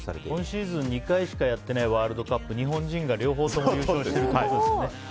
今シーズン２回しかやってないワールドカップ日本人が両方優勝してるんですね。